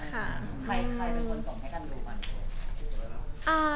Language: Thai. ใครเป็นคนส่งให้กันดูเหมือนกัน